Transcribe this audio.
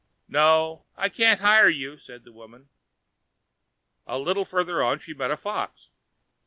"No, I can't hire you," said the woman. A little farther on she met a Fox.